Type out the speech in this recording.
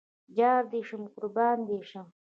جار دې شم قربان دې شم